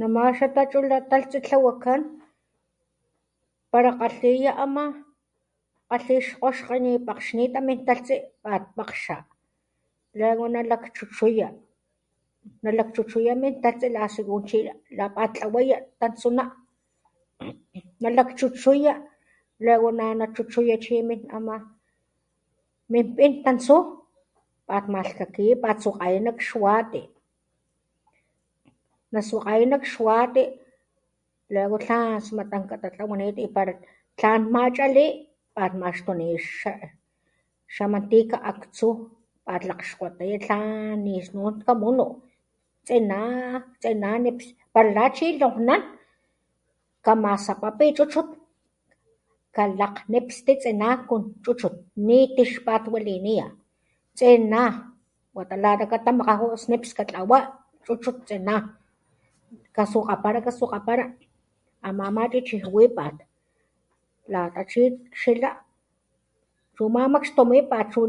Nama xa tachula talhtsi tlawakan palakgalhiya ama xkgoxke nipakgxnita min talhtsi pat pakxa, luego nalakchuchuya, nalakchuchuya min taltsi la Según lapatlawaya tantsuna, nalakchuchuya, luego ama min pin tantsu Pat malhkakiya pat swakgaya nat xwati, naswakgaya nat xwati luego tlan smatanka ka tlawa Tlan machali, pat maxtuniya xa mantika aktsu pat lakgxkgotaya tlan ni snun kamunu tsina tsina nips katlawa pala Lachi lonkgnan kamasapapi chuchut kalakgnispti tsina kon chuchut ni tix patwaliniya tsina wata lata katamakgaju tsina Nipskatlawa tsina kaswakgapara, kaswakgapara ama machichijwipat Lata chi akxila chu mamakxtumipat chu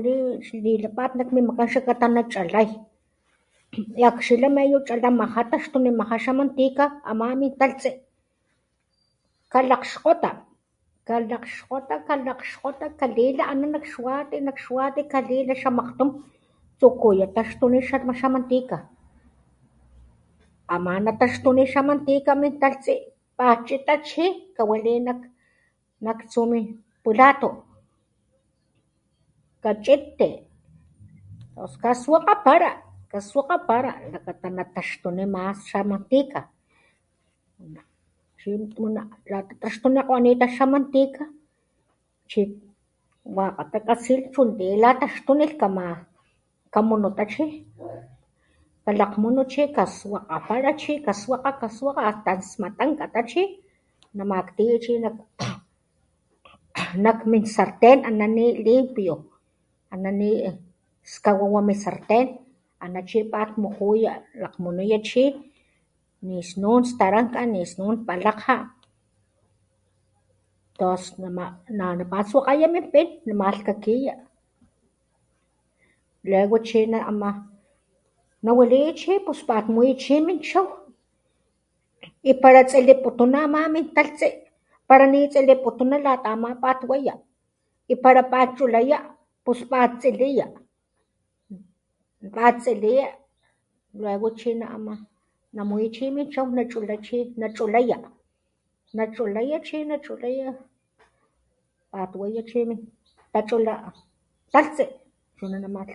lilapat nak min makan xlakata nachalay y akxilhpata xlakata chalamaja taxtunimaja xa mantika ama min taltsi kalakgxkgota, kalakgxota, kalila ana nak xwati nak xwati kalila xamakgtum tsukuya taxtuni xa mantika, ama ama taxtuni xa mantika pat chitá chi kawali tsu nak min pulatu. Lata traxtinikgota xa mantika, chi wakata katsi, watiya lataxtunilh kalakgmunu chi, kaswakgapara, kaswakga hasta smatankga chi namaktiya Nak min sarten ana ni limpio skawawa min sarten Namuya chi ni snun staranka ni snun palakge tos sana pat swakgaya min pin malhkakiya luego chi ama nawaliya tons pat muya chu min chaw y pala tsiliputuna y ni pala tsiliputuna lata ama pat waya nachulaya, pala chuluputuna pat tsiliya, luego namuya min chaw nachulaya, nachulaya chi nachulaya Pat waya chi tachula talhtsi Chunanama tlawakan watiya